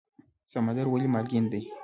سمندر ولې مالګین دی؟